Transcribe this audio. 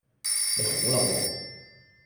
你好啦播